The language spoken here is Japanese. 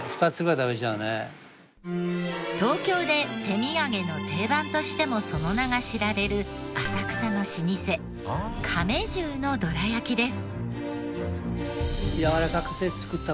東京で手土産の定番としてもその名が知られる浅草の老舗亀十のどら焼きです。